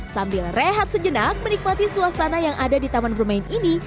sambil rehat sejenak menikmati suasana yang ada di taman bermain ini